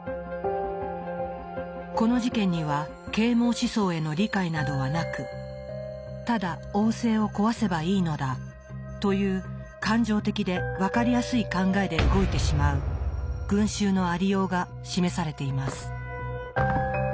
この事件には啓蒙思想への理解などはなく「ただ王政を壊せばいいのだ」という感情的でわかりやすい考えで動いてしまう群衆のありようが示されています。